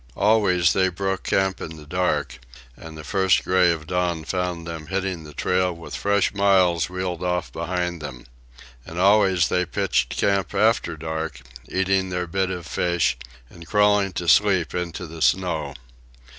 Always, they broke camp in the dark, and the first gray of dawn found them hitting the trail with fresh miles reeled off behind them. And always they pitched camp after dark, eating their bit of fish, and crawling to sleep into the snow.